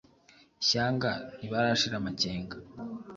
Ishyanga nti baranshira amakenga,